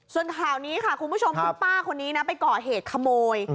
ส่วนข่าวนี้ค่ะคุณผู้ชมคุณป้าคนนี้นะไปก่อเหตุขโมย